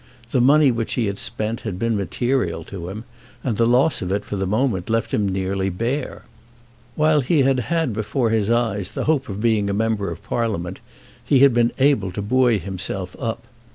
The money which he had spent had been material to him, and the loss of it for the moment left him nearly bare. While he had had before his eyes the hope of being a member of Parliament he had been able to buoy himself up.